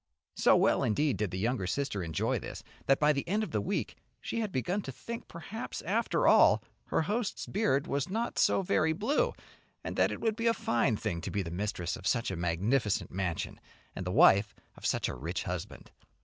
So well, indeed, did the younger sister enjoy this, that by the end of the week she had begun to think perhaps after all her host's beard was not so very blue, and that it would be a fine thing to be the mistress of such a magnificent mansion, and the wife of such a rich husband.